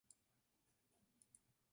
日本昭和天皇宣布终战诏书。